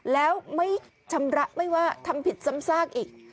แล้วไม่ชำระไม่ว่าทำผิดซ้ำซากอีก